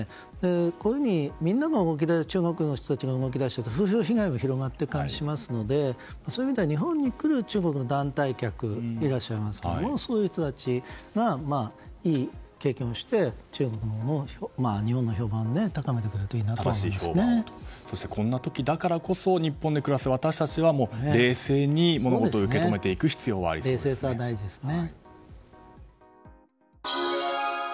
こうして中国の人たちみんなが動き出すと風評被害も広がる気がしますのでそういう意味では、日本に来る中国の団体客がいらっしゃいますがそういう人たちがいい経験をして中国で日本の評判を高めてくれるとそして、こんな時だからこそ日本で暮らす私たちは冷静に物事を受け止めていく必要がありそうですね。